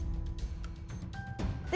gimana pada perempuan